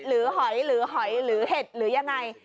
หอยหรือหอยหรือเห็ดหรือยังไง